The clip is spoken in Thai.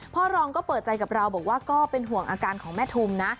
พ่อรองก็เปิดใจกับเราบอกว่าก็เป็นห่วงอาการของแม่ทุมนะ